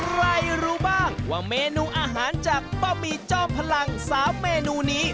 รู้บ้างว่าเมนูอาหารจากบะหมี่จ้อมพลัง๓เมนูนี้